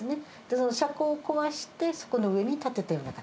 その車庫を壊して、そこの上に建てたような形。